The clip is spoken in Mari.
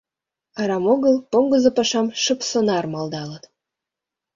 Арам огыл поҥгызо пашам «шып сонар» малдалыт.